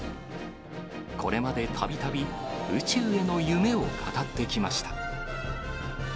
これまでたびたび宇宙への夢を語ってきました。